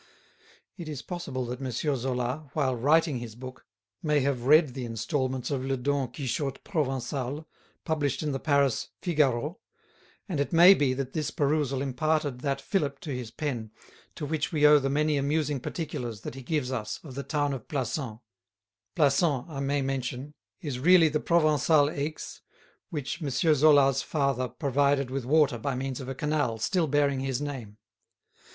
It is possible that M. Zola, while writing his book, may have read the instalments of "Le Don Quichotte Provencal" published in the Paris "Figaro," and it may be that this perusal imparted that fillip to his pen to which we owe the many amusing particulars that he gives us of the town of Plassans. Plassans, I may mention, is really the Provencal Aix, which M. Zola's father provided with water by means of a canal still bearing his name.